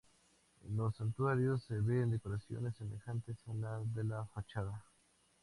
En los santuarios se ven decoraciones semejantes a las de la fachada.